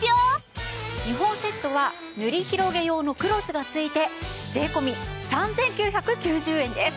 ２本セットは塗り広げ用のクロスが付いて税込３９９０円です。